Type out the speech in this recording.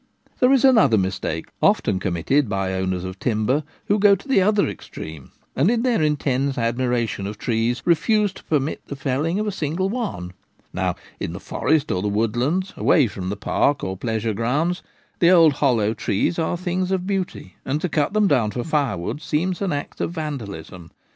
There is another mistake, often committed by owners of timber, who go to the other extreme, and in their intense admiration of trees refuse to permit the felling of a single one. Now in the forest or the woodlands, away from the park or pleasure grounds, the old hollow trees are things of beauty, and to cut them down for firewood seems an act of vandalism.